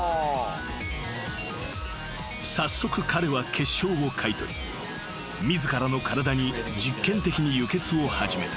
［早速彼は血漿を買い取り自らの体に実験的に輸血を始めた］